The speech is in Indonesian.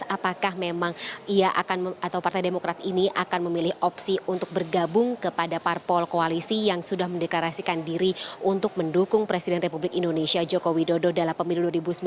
apakah memang ia akan atau partai demokrat ini akan memilih opsi untuk bergabung kepada parpol koalisi yang sudah mendeklarasikan diri untuk mendukung presiden republik indonesia joko widodo dalam pemilu dua ribu sembilan belas